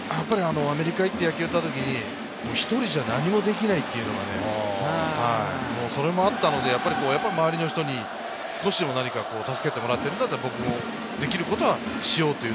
アメリカ行って野球をやったときに、１人じゃ何もできないというのが、それもあったので、周りの人に少しでも何か助けてもらって、僕もできることはしようという。